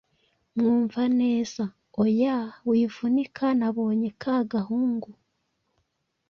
Mwumvaneza:Oya, wivunika. Nabonye ka gahungu